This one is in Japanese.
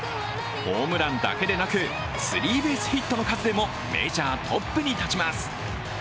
ホームランだけでなくスリーベースヒットの数でもメジャートップに立ちます。